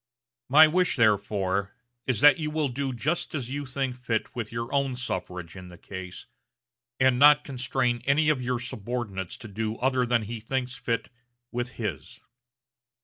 My wish, therefore, is that you will do just as you think fit with your own suffrage in the case, and not constrain any of your subordinates to do other than as he thinks fit with his."